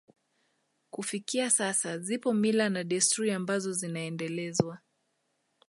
Kufikia sasa zipo mila na desturi ambazo zinaendelezwa